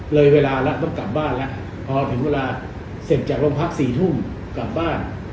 เวลาแล้วต้องกลับบ้านแล้วพอถึงเวลาเสร็จจากโรงพัก๔ทุ่มกลับบ้าน